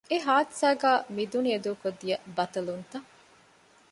އެ ހާދިސާގައި މި ދުނިޔެ ދޫކޮށް ދިޔަ ބަޠަލުންތައް